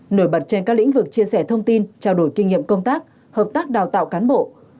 nổi bật trên các lĩnh vực chia sẻ thông tin trao đổi kinh nghiệm công tác hợp tác đào tạo cán bộ